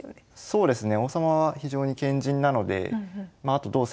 そうですね。